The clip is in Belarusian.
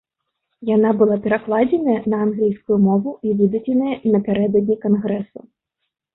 Яна была перакладзеная на англійскую мову і выдадзеная напярэдадні кангрэсу.